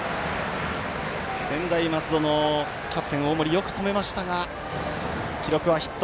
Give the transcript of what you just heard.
専大松戸のキャプテン、大森よく止めましたが記録はヒット。